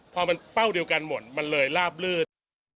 พอมันเป้าเดียวกันหมดมันเลยลาบลืด